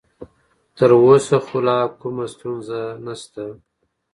تر اوسه خو لا کومه ستونزه نشته.